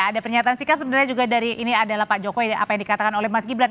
ada pernyataan sikap sebenarnya juga dari ini adalah pak jokowi apa yang dikatakan oleh mas gibran